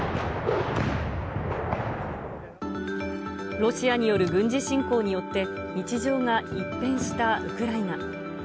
ロシアによる軍事侵攻によって、日常が一変したウクライナ。